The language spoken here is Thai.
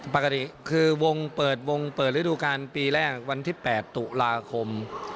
ปกติคือวงเปิดวงเปิดฤดูการปีแรกวันที่๘ตุลาคม